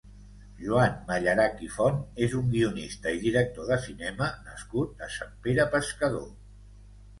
Joan Mallarach i Font és un guionista i director de cinema nascut a Sant Pere Pescador.